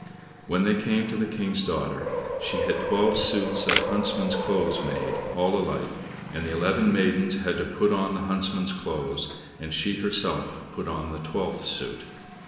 When they came to the King's daughter, she had twelve suits of huntsmen's clothes made, all alike, and the eleven maidens had to put on the huntsmen's clothes, and she herself put on the twelfth suit.